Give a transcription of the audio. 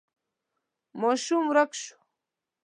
ماشوم ورک شو.